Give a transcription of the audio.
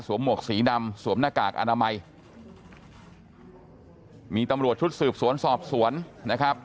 หมวกสีดำสวมหน้ากากอนามัยมีตำรวจชุดสืบสวนสอบสวนนะครับ